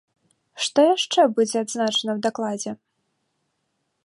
Што яшчэ будзе адзначана ў дакладзе?